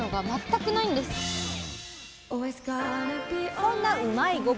そんなうまいッ！